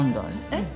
えっ？